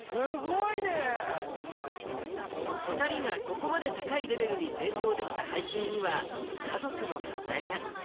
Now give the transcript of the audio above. ２人がここまで高いレベルに成長できた背景には、家族の支えが。